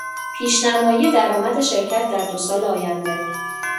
پیشنمایی درآمد شرکت در دو سال آینده